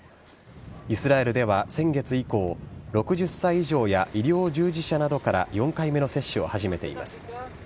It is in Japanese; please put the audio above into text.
イスラエルでは先月以降、６０歳以上や医療従事者などから４回目の接種を始めています。